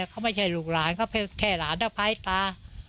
เขาไม่ใช่ลูกหลานเขาแค่หลานสะพ้ายตา